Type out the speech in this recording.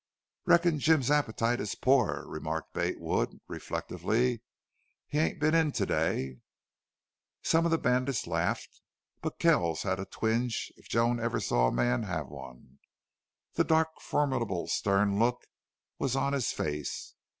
"Reckon Jim's appetite is pore," remarked Bate Wood, reflectively. "He ain't been in to day." Some of the bandits laughed, but Kells had a twinge, if Joan ever saw a man have one. The dark, formidable, stern look was on his face.